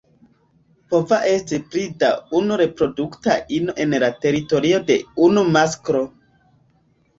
Pova esti pli da unu reprodukta ino en la teritorio de unu masklo.